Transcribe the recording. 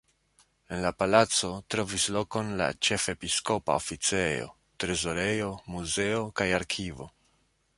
En la palaco trovis lokon la ĉefepiskopa oficejo, trezorejo, muzeo kaj arkivo.